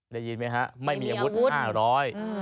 ได้ยินไหมฮะไม่มีอาวุธห้าร้อย